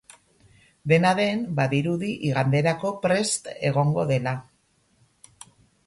Dena den, badirudi iganderako prest egongo dela.